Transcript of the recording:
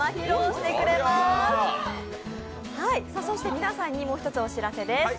皆さんにもう一つお知らせです。